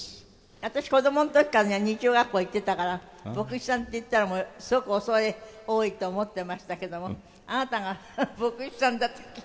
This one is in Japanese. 私子供の時からね日曜学校行っていたから牧師さんっていったらすごくおそれ多いと思っていましたけどもあなたが牧師さんだって聞いて。